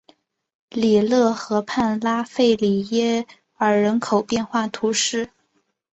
里勒河畔拉费里耶尔人口变化图示